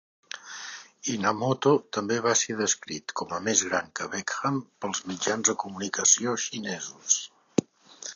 Inamoto també va ser descrit com a "més gran que Beckham" pels mitjans de comunicació xinesos.